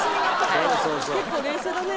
結構冷静だね。